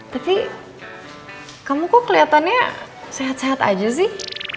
tapi kamu kok kelihatannya sehat sehat aja sih